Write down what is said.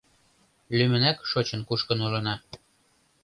Лӱмынак шочын-кушкын улына.